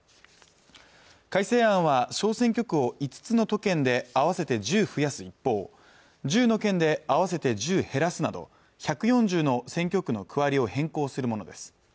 改正案は小選挙区を５つの都県で合わせて１０増やす一方１０の県で合わせて１０減らすなど１４０の選挙区の区割りを変更するものです